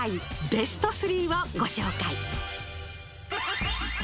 ベスト３をご紹介。